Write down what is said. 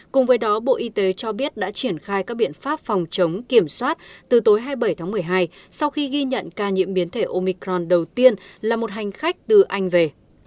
cùng với đó bộ y tế cho biết đã triển khai các biện pháp phòng chống kiểm soát từ tối hai mươi bảy tháng một mươi hai sau khi ghi nhận ca nhiễm biến thể omicron đầu tiên là một hành khách từ anh về